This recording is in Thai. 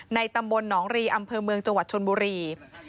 ตำบลหนองรีอำเภอเมืองจังหวัดชนบุรี